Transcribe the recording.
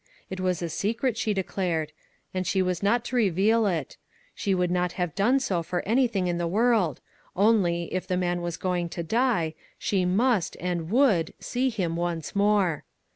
It was a secret, she declared, and :>he was not to reveal it; she would not have done so for anything in the world — only, if the man was going to die, she must, and would, see him once more!